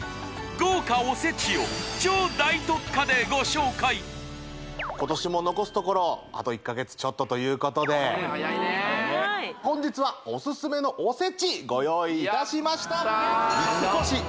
豪華おせちを超大特価でご紹介今年も残すところあと１か月ちょっとということでねえ早いねえ早い本日はおすすめのおせちご用意いたしました